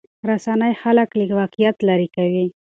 رسنۍ خلک له واقعیت لرې کوي.